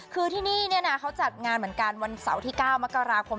คือที่นี่เนี่ยนะเขาจัดงานเหมือนกันวันเสาร์ที่๙มกราคม